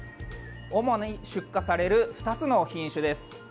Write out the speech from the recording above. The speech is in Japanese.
主に出荷される２つの品種です。